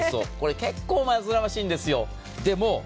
これ、結構、わずらわしいんですよ。